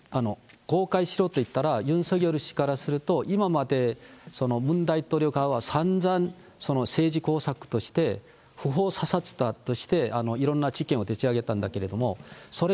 公開しろと言ったら、ユン・ソギョル氏からすると、今までムン大統領側はさんざん、政治工作として、不法査察だとして、いろんな事件を立ち上げたんだけれども、それ